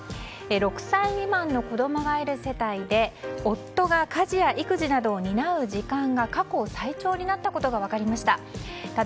６歳未満の子供がいる世帯で夫が家事や育児などを担う時間が過去最長になったことが分かりました。